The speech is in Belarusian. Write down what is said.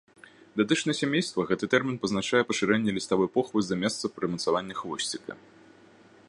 Датычна сямейства гэты тэрмін пазначае пашырэнне ліставой похвы за месца прымацавання хвосціка.